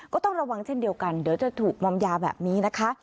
ก็ต้องระวังเช่นเดียวกันเดี๋ยวจะถูกมอมยาแบบนี้นะคะ